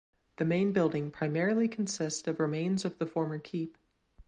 The main building primarily consists of remains of the former keep.